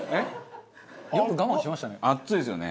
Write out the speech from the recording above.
よく我慢しましたね。